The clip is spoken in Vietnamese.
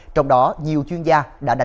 trong đó nhiều chuyên gia đã đánh giá dự án